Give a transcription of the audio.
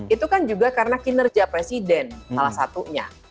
itu kan juga karena kinerja presiden salah satunya